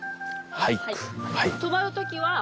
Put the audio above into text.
はい。